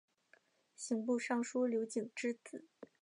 刑部尚书刘璟之子。